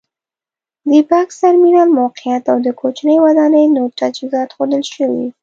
د بکس ترمینل موقعیت او د کوچنۍ ودانۍ نور تجهیزات ښودل شوي.